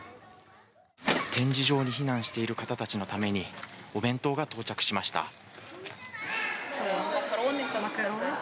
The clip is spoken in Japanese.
展示場に避難している方たちのためにお弁当が到着しました。